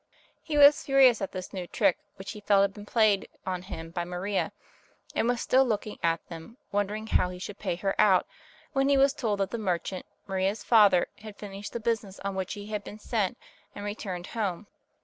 He was furious at this new trick which he felt had been played on him by Maria, and was still looking at them, wondering how he should pay her out, when he was told that the merchant, Maria's father, had finished the business on which he had been sent and returned home.